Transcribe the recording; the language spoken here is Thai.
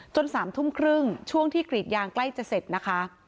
๓ทุ่มครึ่งช่วงที่กรีดยางใกล้จะเสร็จนะคะ